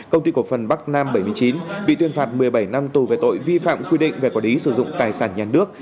công ty cổ phần bắc nam bảy mươi chín bị tuyên phạt một mươi bảy năm tù về tội vi phạm quy định về quản lý sử dụng tài sản nhà nước